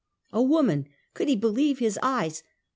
A woman! Could he believe his eyes?